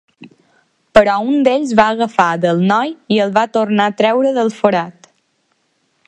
Però un d'ells va agafar del noi i el va tornar a treure del forat.